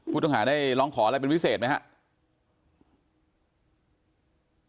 ผู้ต้องหาได้ร้องขออะไรเป็นวิเศษมั้ยสาปิด